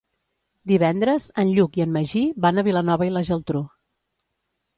Divendres en Lluc i en Magí van a Vilanova i la Geltrú.